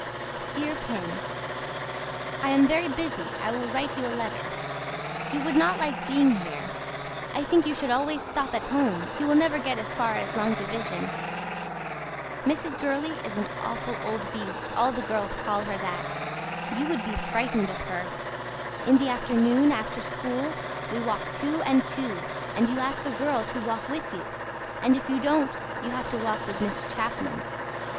DEAR PIN I AM VERY BUSY I WILL WRITE YOU A LETTER. YOU WOULD NOT LIKE BEING HERE I THINK YOU SHOULD ALWAYS STOP AT HOME YOU WILL NEVER GET AS FAR AS LONG DIVISION. MRS. GURLEY IS AN AWFUL OLD BEAST ALL THE GIRLS CALL HER THAT. YOU WOULD BE FRIGHTENED OF HER. IN THE AFTERNOON AFTER SCHOOL WE WALK TWO AND TWO AND YOU ASK A GIRL TO WALK WITH YOU AND IF YOU DON'T YOU HAVE TO WALK WITH MISS CHAPMAN.